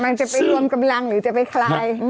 จะไปรวมกำลังหรือจะไปคลาย